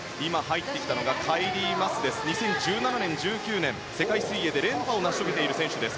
カイリー・マスは２０１７年、１９年と世界水泳で連覇を成し遂げている選手です。